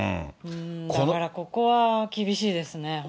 だからここは、厳しいですね。